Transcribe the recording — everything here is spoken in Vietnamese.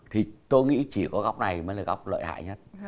thì tôi nghĩ chỉ có góc này mới là góc lợi hại nhất